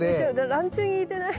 ランチュウに似てない？